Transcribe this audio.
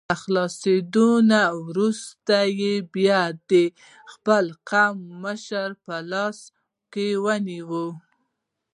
له خلاصېدو نه وروسته یې بیا د خپل قوم مشري په لاس کې ونیوله.